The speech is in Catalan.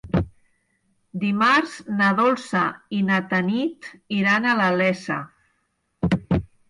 Dimarts na Dolça i na Tanit iran a la Iessa.